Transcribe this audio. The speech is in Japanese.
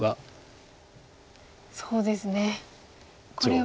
そうですねこれは。